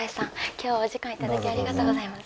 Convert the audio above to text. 今日はお時間頂きありがとうございます。